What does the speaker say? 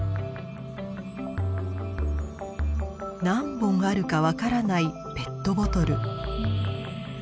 何本あるかわからないペットボトル。